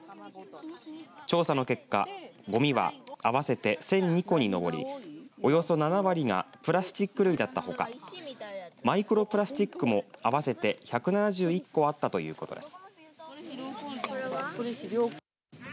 調査の結果、ごみは合わせて１００２個に上りおよそ７割がプラスチック類だったほかマイクロプラスチックも合わせて１７１個あったということです。